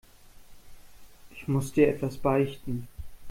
Ich muss dir etwas beichten.